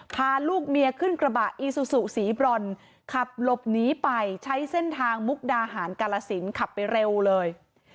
พาลูกเมียขึ้นกระบะอีซูซูสีบรอนขับหลบหนีไปใช้เส้นทางมุกดาหารกาลสินขับไปเร็วเลย